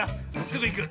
すぐいく。